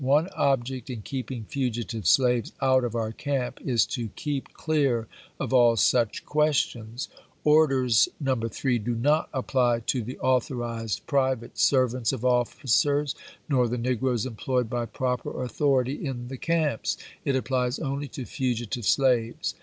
One ob ject in keeping fugitive slaves out of our camp is to keep clear of all siich questions. .. Orders No. 3 do not apply to the authorized private servants of officers nor the negroes employed by proper authority in the camps. It applies only to fugitive slaves.